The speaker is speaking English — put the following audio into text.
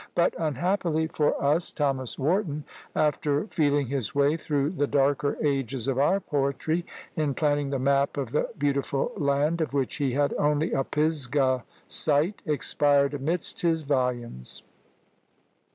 But, unhappily for us, Thomas Warton, after feeling his way through the darker ages of our poetry, in planning the map of the beautiful land, of which he had only a Pisgah sight, expired amidst his volumes.